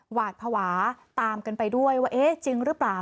หวาดภาวะตามกันไปด้วยว่าเอ๊ะจริงหรือเปล่า